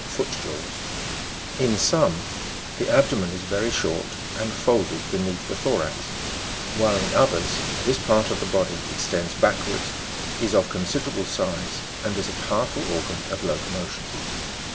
7 74 CRABS, some, the abdomen is very short, and folded beneath the thorax (fg> 63) ; while in others, this part of the body extends back wards, is of considerable size, and is a powerful organ of loco motion (Jig.